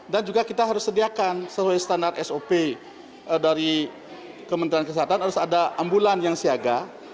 dan juga kita harus sediakan sesuai standar sop dari kementerian kesehatan harus ada ambulan yang siaga